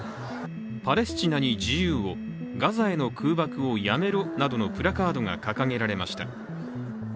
パレスチナに自由を、ガザへの空爆をやめろなどのプラカードが掲げられました。